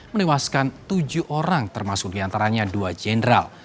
menewaskan tujuh orang termasuk diantaranya dua jenderal